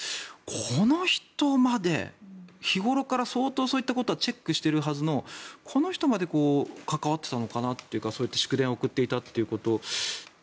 この人まで、日頃から相当そういったことはチェックしているはずのこの人まで関わってたのかなというかそうやって祝電を送っていたということ。